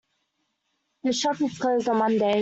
The shop is closed on Mondays.